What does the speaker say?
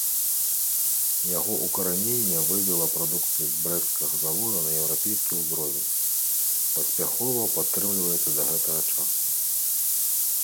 Яго ўкараненне вывела прадукцыю брэсцкага завода на еўрапейскі ўзровень, паспяхова падтрымліваецца да гэтага часу.